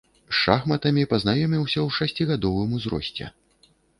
З шахматамі пазнаёміўся ў шасцігадовым узросце.